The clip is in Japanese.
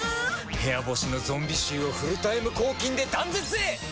部屋干しのゾンビ臭をフルタイム抗菌で断絶へ！